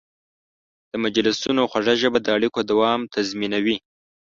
د مجلسونو خوږه ژبه د اړیکو دوام تضمینوي.